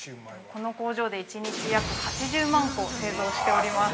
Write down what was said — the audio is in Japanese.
◆この工場で、１日約８０万個製造しております。